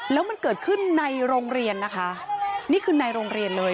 แล้วมันเกิดขึ้นในโรงเรียนนะคะนี่คือในโรงเรียนเลย